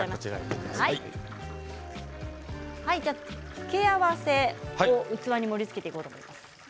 付け合わせを器に盛りつけていこうと思います。